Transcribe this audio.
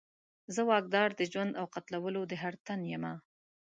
زه واکدار د ژوند او قتلولو د هر تن یمه